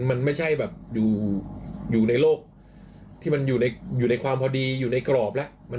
มันไม่ใช่แบบอยู่ในโลกที่มันอยู่ในความพอดีอยู่ในกรอบแล้ว